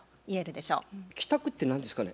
「きたく」って何ですかね？